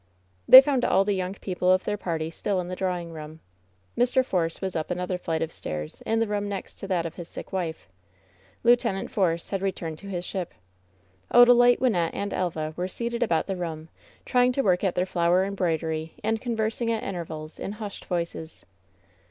They found all the young people of their party still in the drawing room. Mr. Force was up another flight of stairs in the room next to that of his sick wife. Lieut. Force had returned to his ship. Odalite, Wynnette and Elva were seated about the room, trying to work at their flower embroidery and con versing at intervals in hushed voices.